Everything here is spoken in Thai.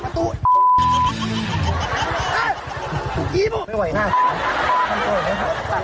จัดเลี้ยงเราเราก็ต้อง